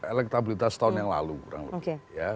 elektabilitas tahun yang lalu kurang lebih